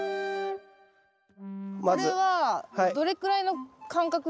これはどれくらいの間隔で。